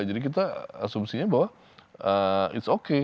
jadi kita asumsinya bahwa it s okay